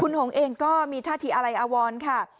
คุณหงเองก็มีทาธิอะไรอวรค่ะ